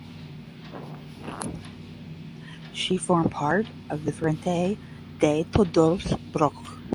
She formed part of the Frente de Todos bloc.